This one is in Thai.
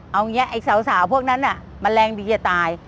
เอางี้ไอ้สาวพวกนั้นอ่ะมะแรงดีกว่าตาย